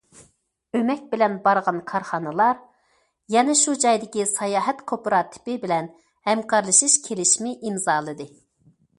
ئۆمەك بىلەن بارغان كارخانىلار يەنە شۇ جايدىكى ساياھەت كوپىراتىپى بىلەن ھەمكارلىشىش كېلىشىمى ئىمزالىدى.